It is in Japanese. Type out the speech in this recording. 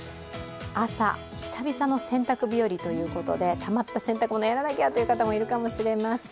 朝、久々の洗濯日和ということでたまった洗濯物やらなきゃという方もいるかもしれません。